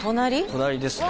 隣ですね